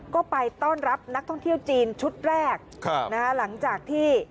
ก็ไปต้อนรับนักท่องเที่ยวจีนชุดแรกหลังจากที่